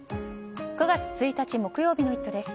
９月１日木曜日の「イット！」です。